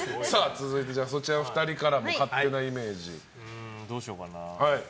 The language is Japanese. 続いて、そちらの２人からも勝手なイメージ。